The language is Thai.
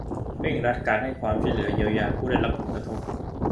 เร่งรัดการให้ความช่วยเหลือเยียวยาผู้ได้รับผลกระทบ